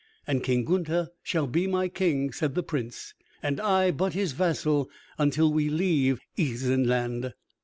"And King Gunther shall be my king," said the Prince, "and I but his vassal until we leave Isenland."